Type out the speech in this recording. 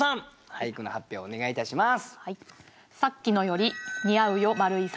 俳句の発表をお願いいたします。